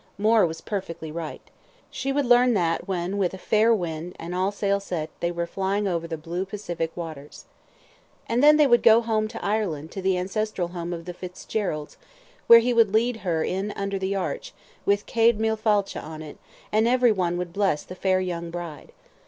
Moore was perfectly right. She would learn that when with a fair wind, and all sail set, they were flying over the blue Pacific waters. And then they would go home to Ireland to the ancestral home of the Fitzgeralds, where he would lead her in under the arch, with "CEAD MILLE FAILTHE" on it, and everyone would bless the fair young bride.